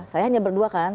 saya hanya berdua kan